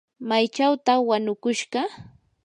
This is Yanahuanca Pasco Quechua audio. ¿maychawtaq wanukushqa?